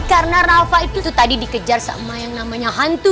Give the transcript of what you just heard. karena rafa itu tadi dikejar sama yang namanya hantu